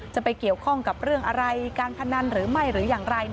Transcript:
จะไปเกี่ยวข้องกับเรื่องอะไรการพนันหรือไม่หรืออย่างไร